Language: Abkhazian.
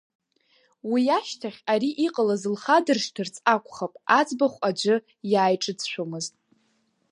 Уи ашьҭахь, ари иҟалаз лхадыршҭырц акәхап, аӡбахә аӡәы иааиҿыҵшәомызт.